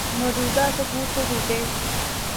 موجودہ سکوت تو ٹوٹے۔